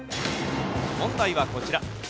問題はこちら。